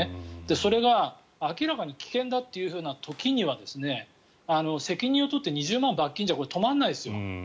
それが明らかに危険だという時には責任を取って２０万罰金じゃこれ、止まらないですよ。